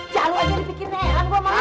jaluk aja dipikirin elan gue mau